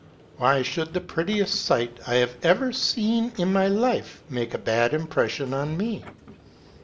Why should the prettiest sight I have ever seen in my life make a bad impression on me?